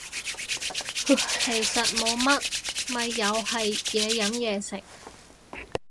其實冇乜咪又係嘢飲嘢食